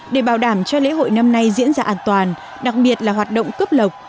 để bảo đảm cho lễ hội năm nay diễn ra an toàn đặc biệt là hoạt động cấp lộc